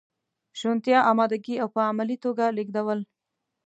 شونتیا، امادګي او په عملي توګه لیږدول.